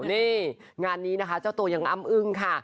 นี่งานนี้นะคะเจ้าตัวยังอ้ำอึ้งค่ะ